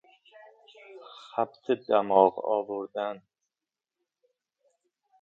خبط دماغ آوردن